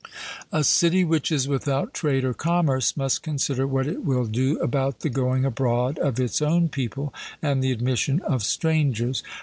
A city which is without trade or commerce must consider what it will do about the going abroad of its own people and the admission of strangers.